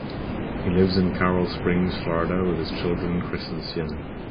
He lives in Coral Springs, Florida, with his children Chris and Siena.